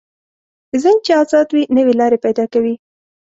ذهن چې ازاد وي، نوې لارې پیدا کوي.